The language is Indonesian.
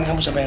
ngak ada torn